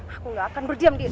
aku gak akan berdiam di situ